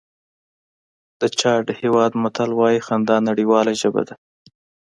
د چاډ هېواد متل وایي خندا نړیواله ژبه ده.